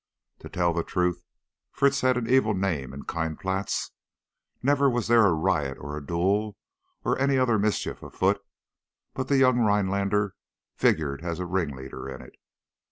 To tell the truth, Fritz had an evil name in Keinplatz. Never was there a riot or a duel, or any other mischief afoot, but the young Rhinelander figured as a ringleader in it.